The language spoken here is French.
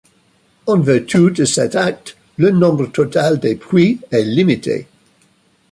En vertu de cet acte, le nombre total des puits est limité.